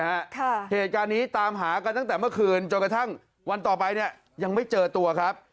เหตุการณ์นี้ตามหากันตั้งแต่เมื่อคืนจนกระทั่งวันต่อไปเนี่ยยังไม่เจอตัวครับ